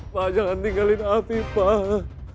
pak jangan tinggalin api pak